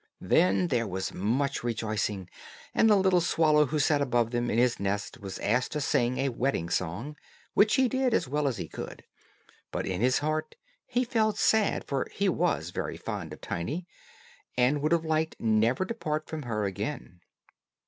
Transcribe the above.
Then there was much rejoicing, and the little swallow who sat above them, in his nest, was asked to sing a wedding song, which he did as well as he could; but in his heart he felt sad for he was very fond of Tiny, and would have liked never to part from her again.